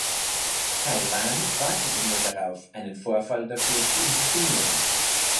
Taiwan warte nur darauf, einen Vorfall dafür zu inszenieren.